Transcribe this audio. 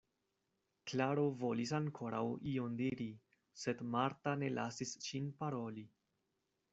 Klaro volis ankoraŭ ion diri, sed Marta ne lasis ŝin paroli.